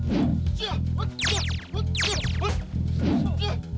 itu yang bermanfaat